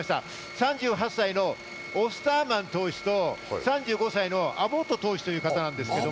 ３８歳のオスターマン投手と３５歳のアボット投手。